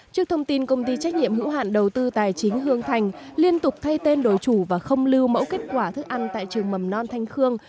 trước thông tin công ty trách nhiệm hữu hạn đầu tư tài chính hương thành liên tục thay tên đổi chủ và không lưu mẫu kết quả thức ăn tại trường mầm non thanh khương